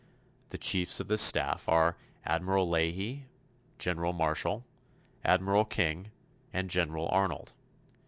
The Chiefs of this Staff are Admiral Leahy, General Marshall, Admiral King and General Arnold.